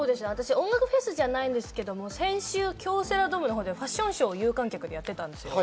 音楽フェスじゃないんですけど、先週、京セラドームでファッションショーを有観客でやっていたんです。